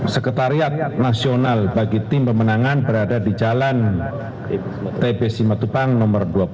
sekretariat nasional bagi tim pemenangan berada di jalan tp simatupang no dua puluh dua